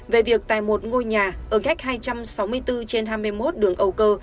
về việc tại một ngôi nhà ở cách hai trăm sáu mươi bốn trên hai mươi một đường âu cơ